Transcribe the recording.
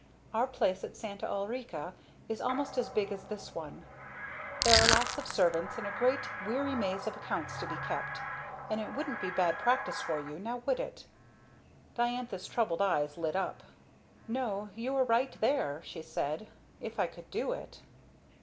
Our place at Santa Ulrica is almost as big as this one; there are lots of servants and a great, weary maze of accounts to be kept, and it wouldn't be bad practice for you now, would it?" Diantha's troubled eyes lit up. "No you are right there," she said. "If I could do it!"